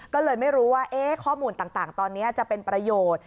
ก็เลยไม่รู้ว่าข้อมูลต่างตอนนี้จะเป็นประโยชน์